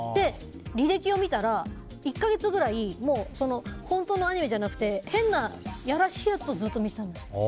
履歴を見たら１か月ぐらい本当のアニメじゃなくて変ないやらしいやつをずっと見ていたんですって。